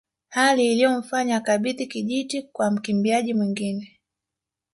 Hali iliyomfanya akabidhi kijiti kwa mkimbiaji mwingine